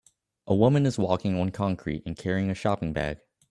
A woman is walking on concrete and carrying a shopping bag